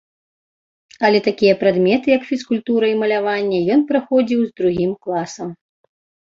Але такія прадметы як фізкультура і маляванне ён праходзіў з другім класам.